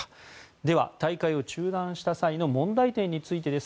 では、大会を中断した際の問題点についてです。